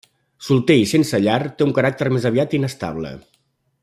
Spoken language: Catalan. Solter i sense llar, té un caràcter més aviat inestable.